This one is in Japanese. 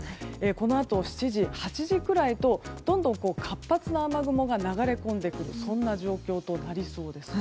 このあと７時、８時くらいとどんどん活発な雨雲が流れ込んでくるそんな状況となりそうです。